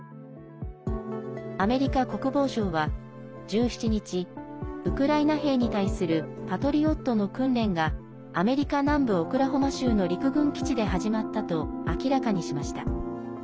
アメリカ国防省は、１７日ウクライナ兵に対する「パトリオット」の訓練がアメリカ南部オクラホマ州の陸軍基地で始まったと明らかにしました。